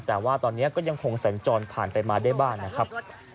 แต่ว่าตอนนี้ก็ยังคงสัญจรผ่านไปมาได้บ้างนะครับ